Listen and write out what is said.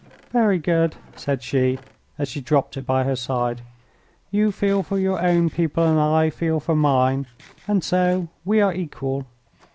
"Very good," said she, as she dropped it by her side. "You feel for your own people and I feel for mine, and so we are equal.